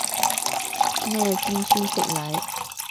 咩知書識禮